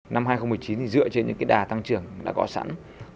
năm hai nghìn một mươi chín dựa trên những đà tăng trưởng đã có sẵn